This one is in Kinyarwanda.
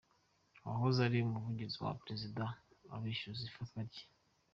Uwahoze ari umuvugizi wa perezida abeshyuza ifatwa rye